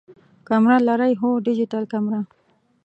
کمره لرئ؟ هو، ډیجیټل کمره